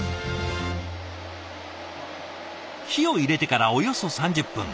火を入れてからおよそ３０分。